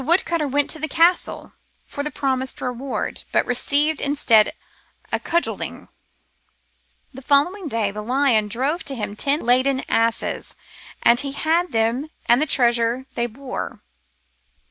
292 The Philosopher's Stone cutter went to the castle for the promised reward, but received instead a cudgelling. The following day the lion drove to him ten laden asses, and he had them and the treasure they bore.